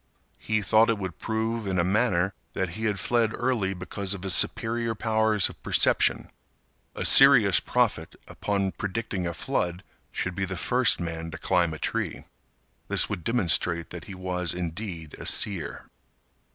He thought it would prove, in a manner, that he had fled early because of his superior powers of perception. A serious prophet upon predicting a flood should be the first man to climb a tree. This would demonstrate that he was indeed a seer.